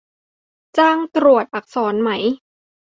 จ้างตรวจอักษรไหม